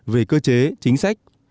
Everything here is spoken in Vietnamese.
về cơ chế chính sách